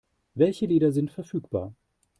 Welche Lieder sind verfügbar?